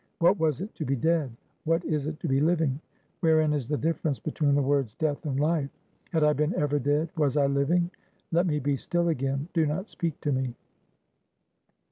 What was it to be dead? What is it to be living? Wherein is the difference between the words Death and Life? Had I been ever dead? Was I living? Let me be still again. Do not speak to me."